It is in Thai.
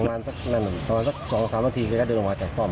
นั่นประมาณสัก๒๓นาทีแกก็เดินออกมาจากป้อม